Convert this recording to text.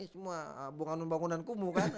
cuma bunga pembangunan kumuh kan